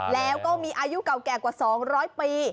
แล้วก็มีอายุเก่าแก่กว่า๒๐๐ปี